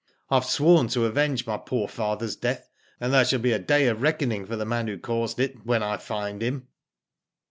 '* I have sworn to avenge my poor father's death, and there shall be a day of reckoning for the man who caused it when I find him."